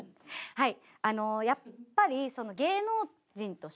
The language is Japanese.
はい。